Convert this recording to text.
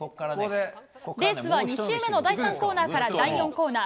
レースは２周目の第３コーナーから第４コーナー。